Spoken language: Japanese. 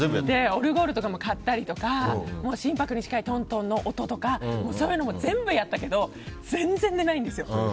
オルゴールとかも買ったりとか心拍に近いトントンの音とかそういうのも全部やったけど全然寝ないんですよ。